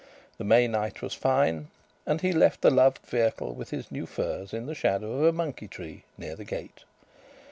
The May night was fine, and he left the loved vehicle with his new furs in the shadow of a monkey tree near the gate.